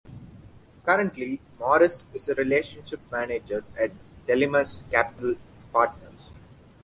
Currently, Morris is a Relationship Manager at Telemus Capital Partners.